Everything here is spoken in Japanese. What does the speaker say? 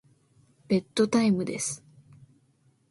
ベッドタイムです。